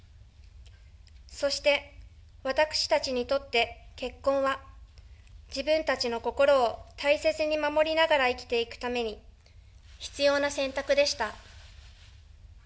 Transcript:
そして、私たちにとって、結婚は自分たちの心を大切に守りながら生きていくために、必要な選択でした。